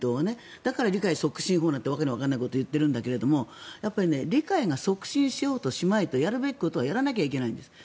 だから理解促進法なんて訳のわからないことを言っているんだけど理解が促進しようとしまいとやるべきことはやらないといけないんです。